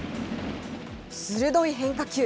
鋭い変化球。